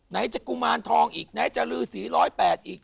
ไหนจะกุมารทองอีกไหนจะลือสี๑๐๘อีก